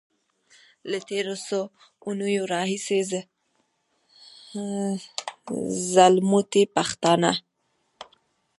له تېرو څو اونيو راهيسې ځلموټي پښتانه.